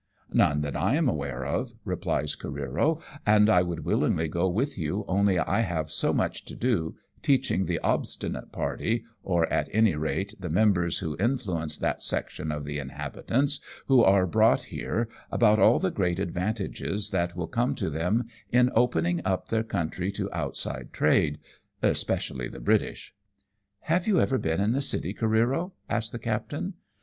" None that I am aware of," replies Careero ;" and I would willingly go with you only I have so much to do, teaching the obstinate party, or, at any rate, the members who influence that section of the inhabitants who are brought here, about all the great advantages that will come to them in opening up their country to outside trade, especially the British." '•' Have you ever been in the city, Careero ?" asks the captain.